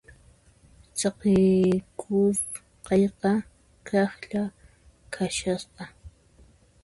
Saqikusqayqa kaqlla kashasqa.